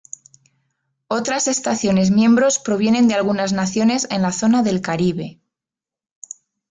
Otras estaciones miembros provienen de algunas naciones en la zona del Caribe.